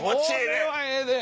これはええで。